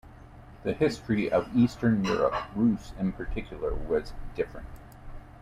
The history of Eastern Europe, Rus' in particular, was different.